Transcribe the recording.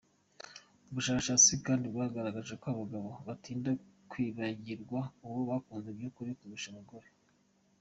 Ubushakashatsi kandi bwagaragaje ko abagabo batinda kwibagirwa uwo bakunze by’ukuri kurusha abagore.